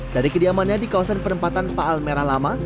dari kediamannya di kawasan penempatan paal merah lama